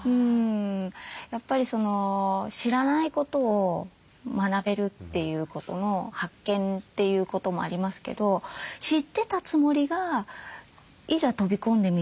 やっぱり知らないことを学べるということの発見ということもありますけど知ってたつもりがいざ飛び込んでみるととっても奥が深かったみたいな。